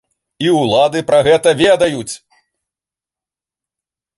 І ўлады пра гэта ведаюць.